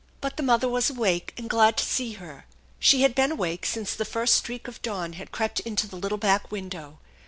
But the mother was awake and glad to see her. She had been awake since the first streak of dawn had crept into the little back window.